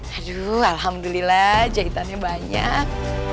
aduh alhamdulillah jahitannya banyak